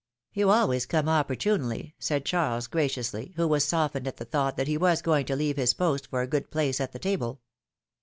'^You always come opportunely," said Charles, gra ciously, who was softened at the thought that he was going to leave his post for a good place at the table.